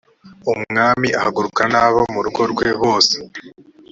m umwami ahagurukana n abo mu rugo rwe bose